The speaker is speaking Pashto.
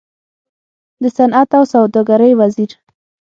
د صنعت او سوداګرۍ وزير